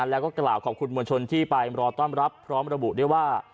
แล้วก็กล่าวขอบคุณมวลชนที่ไปรอต้อนรับพร้อมระบุด้วยว่า